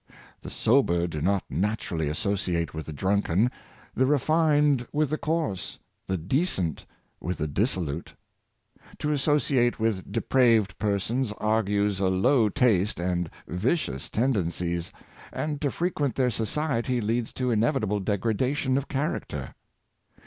The sober do not naturally asso ciate with the drunken, the refined with the coarse, the decent with the dissolute. To associate with depraved persons argues a low taste and vicious tendencies, and to frequent their society leads to inevitable degrada tion of character.